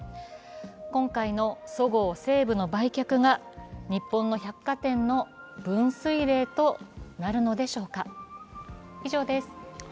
今回のそごう・西武の売却が日本の百貨店の分水れいとなるのでしょうか。